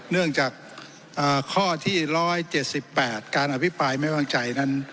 เนื่องจากข้อที่๑๗๘การอภิปรายไม่วางใจนั้น